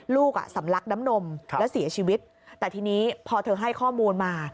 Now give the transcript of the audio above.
สำลักน้ำนมแล้วเสียชีวิตแต่ทีนี้พอเธอให้ข้อมูลมา